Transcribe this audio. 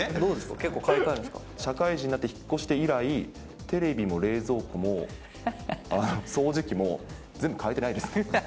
結構買い替えるんで社会人になって引っ越して以来、テレビも冷蔵庫も掃除機も全部替えてないです。